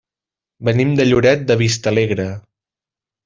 Venim de Lloret de Vistalegre.